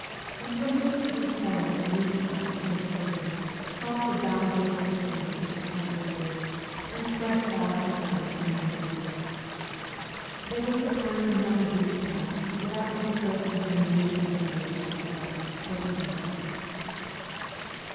Information of these horrors leaked out from the prisons, crossed the boundless distances of Siberia, and spread far and wide among the youth. There was a time when not a week passed without disclosing some new infamy of that sort, or even worse.